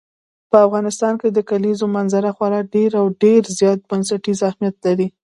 په افغانستان کې د کلیزو منظره خورا ډېر او ډېر زیات بنسټیز اهمیت لري.